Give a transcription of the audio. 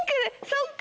そっか。